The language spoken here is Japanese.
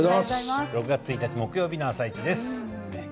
６月１日木曜日の「あさイチ」です。